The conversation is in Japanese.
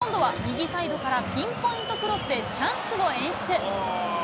今度は右サイドからピンポイントクロスでチャンスを演出。